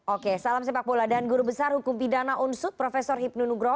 oke salam sepak bola dan guru besar hukum pidana unsur profesor hipnu nugro